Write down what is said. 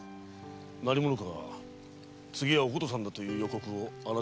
何者かが次はお琴さんだという予告をあなたに。